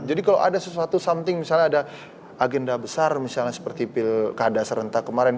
jadi kalau ada sesuatu something misalnya ada agenda besar misalnya seperti pil kadasar rentak kemarin